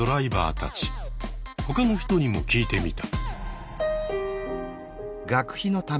ほかの人にも聞いてみた。